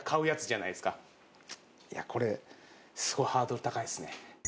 これすごいハードル高いっすね。